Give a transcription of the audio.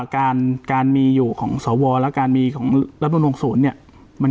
การการมีอยู่ของสวแล้วการมีของรับดุลหกศูนย์เนี่ยมัน